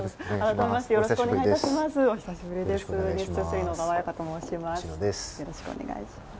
改めましてよろしくお願いします。